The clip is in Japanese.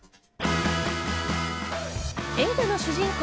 映画の主人公